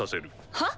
はっ？